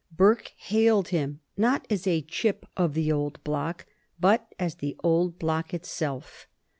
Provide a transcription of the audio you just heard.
Burke hailed him, not as a chip of the old block, but as the old block itself.